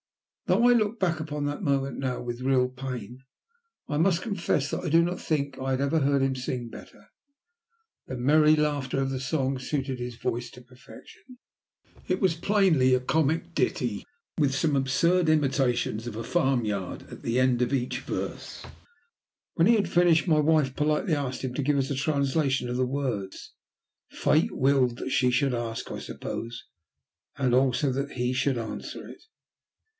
Though I look back upon that moment now with real pain, I must confess that I do not think I had ever heard him sing better; the merry laughter of the song suited his voice to perfection. It was plainly a comic ditty with some absurd imitations of the farm yard at the end of each verse. When he had finished, my wife politely asked him to give us a translation of the words. Fate willed that she should ask, I suppose, and also that he should answer it.